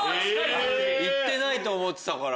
いってないと思ってたから。